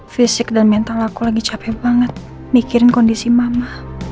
fisik dan mental aku lagi capek banget mikirin kondisi mama